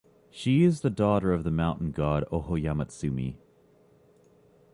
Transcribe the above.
She is the daughter of the mountain god Ohoyamatsumi.